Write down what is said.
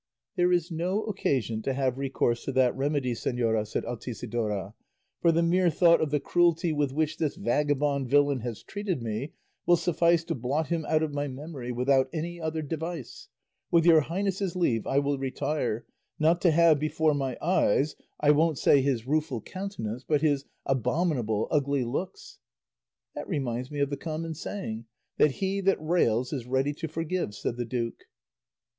"There is no occasion to have recourse to that remedy, señora," said Altisidora; "for the mere thought of the cruelty with which this vagabond villain has treated me will suffice to blot him out of my memory without any other device; with your highness's leave I will retire, not to have before my eyes, I won't say his rueful countenance, but his abominable, ugly looks." "That reminds me of the common saying, that 'he that rails is ready to forgive,'" said the duke.